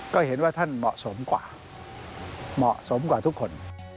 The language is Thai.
ก็เห็นว่าท่านเหมาะสมกว่าเหมาะสมกว่าทุกคน